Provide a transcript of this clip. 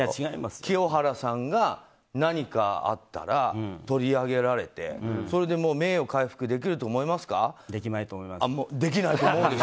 清原さんが何かあったら取り上げられてそれで名誉回復できるとできないと思います。